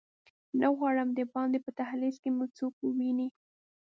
نه غواړم دباندې په دهلېز کې مې څوک وویني.